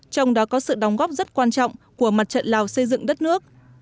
trong đó có sự đóng góp rất quan trọng của mặt trận lào xây dựng đất nước